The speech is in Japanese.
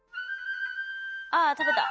あ食べた。